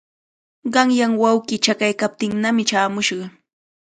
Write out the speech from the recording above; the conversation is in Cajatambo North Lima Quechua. Qanyan wawqii chakaykaptinnami chaamushqa.